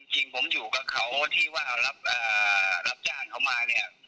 จริงผมอยู่กับเขาที่ว่ารับจ้างเขามาเนี่ย